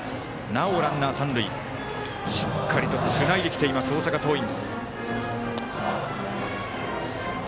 しっかりとつないできています大阪桐蔭。